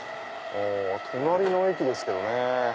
隣の駅ですけどね